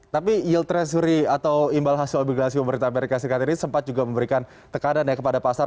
tapi yield treasury atau imbal hasil obligasi pemerintah amerika serikat ini sempat juga memberikan tekanan ya kepada pasar